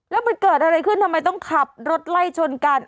แล้วมันเกิดอะไรขึ้นทำไมต้องขับรถไล่ชนกัน